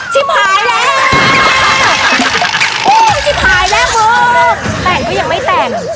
หายแล้วโอ้ยจิบหายแล้วลูกแต่งก็ยังไม่แต่ง